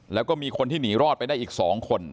แล้วก็มีคนที่หนีรอดไปได้อีก๒คน